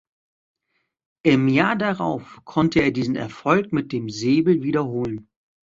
Im Jahr darauf konnte er diesen Erfolg mit dem Säbel wiederholen.